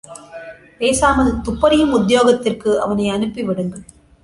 பேசாமல் துப்பறியும் உத்தியோகத்திற்கு அவனை அனுப்பிவிடுங்கள்.